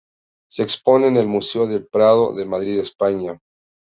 Se expone en el Museo del Prado de Madrid, España.